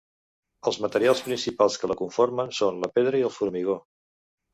Els materials principals que la conformen són la pedra i el formigó.